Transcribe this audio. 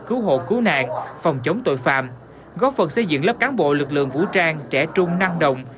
cứu hộ cứu nạn phòng chống tội phạm góp phần xây dựng lớp cán bộ lực lượng vũ trang trẻ trung năng động